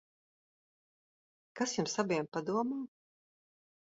Kas jums abiem padomā?